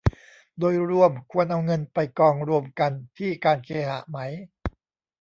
โดยรวมควรเอาเงินไปกองรวมกันที่การเคหะไหม